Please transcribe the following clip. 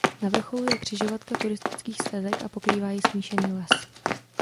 Na vrcholu je křižovatka turistických stezek a pokrývá jej smíšený les.